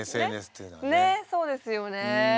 ねえそうですよね。